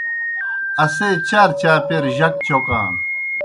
اسے چارچاپیر جک چوکان۔